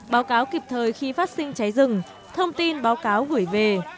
báo cáo kịp thời khi phát sinh cháy rừng thông tin báo cáo gửi về